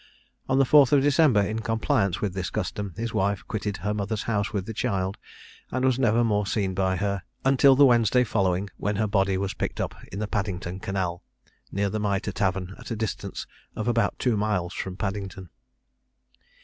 On the 4th December, in compliance with this custom, his wife quitted her mother's house with the child, and was never more seen by her until the Wednesday following, when her body was picked up in the Paddington Canal, near the Mitre Tavern, at a distance of about two miles from Paddington.